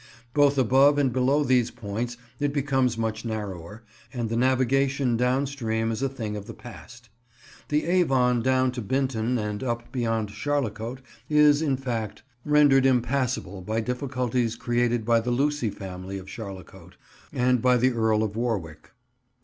Both above and below these points it becomes much narrower, and the navigation down stream is a thing of the past. The Avon down to Binton and up beyond Charlecote is, in fact, rendered impassable by difficulties created by the Lucy family of Charlecote, and by the Earl of Warwick.